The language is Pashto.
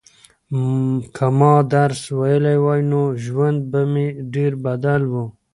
که ما درس ویلی وای نو ژوند به مې ډېر بدل و.